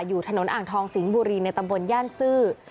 อยู่ถนนอ่างทองสิงห์บุรีในตำบลย่านซื่อ